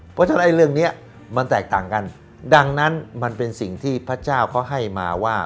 เพราะฉะนั้นไอ้เรื่องนี้มันแตกต่างกันดังนั้นมันเป็นสิ่งที่พระเจ้าเขาให้มาว่า